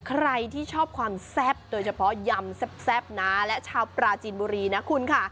ใครที่ชอบความแซ่บโดยเฉพาะยำแซ่บนะและชาวปราจีนบุรีนะคุณค่ะ